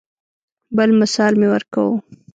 بل مثال مې ورکو.